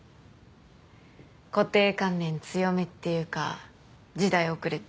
固定観念強めっていうか時代遅れっていうか。